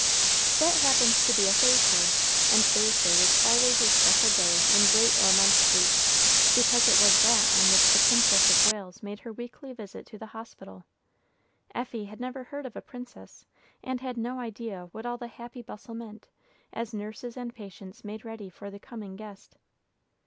That happened to be a Thursday, and Thursday was always a special day in Great Ormond Street, because it was that on which the Princess of Wales made her weekly visit to the hospital. Effie had never heard of a princess, and had no idea what all the happy bustle meant, as nurses and patients made ready for the coming guest.